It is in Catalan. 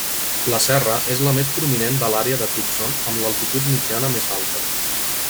La serra és la més prominent de l'àrea de Tucson amb l'altitud mitjana més alta.